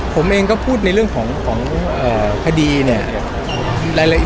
ผมเองก็พูดในเรื่องของคดีเนี่ย